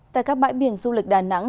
tại các bãi biển du lịch đà nẵng